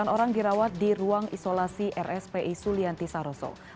delapan orang dirawat di ruang isolasi rspi sulianti saroso